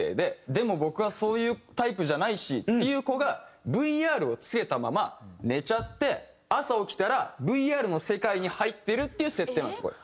でも僕はそういうタイプじゃないしっていう子がＶＲを着けたまま寝ちゃって朝起きたらＶＲの世界に入ってるっていう設定なんですこれ。